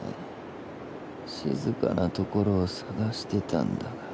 静かなところを探してたんだが。